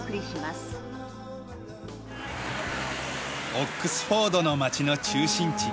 オックスフォードの街の中心地